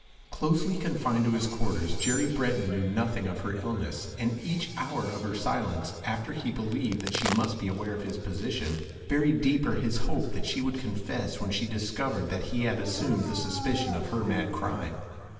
Closely confined to his quarters, Jerry Breton knew nothing of her illness, and each hour of her silence, after he believed that she must be aware of his position, buried deeper his hope that she would confess when she discovered that he had assumed the suspicion of her mad crime.